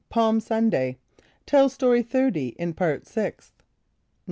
Palm Sunday. (Tell Story 30 in Part Sixth.)